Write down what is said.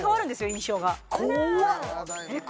印象が怖っえっ